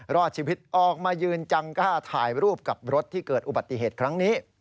รอดชีวิตออกมายืนจังกล้าถ่ายรูปกับรถที่เกิดอุบัติเหตุครั้งนี้